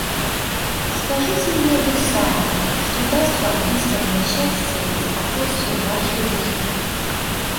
Скажите мне вы сами, что даст вам истинное счастье и спокойствие вашей душе.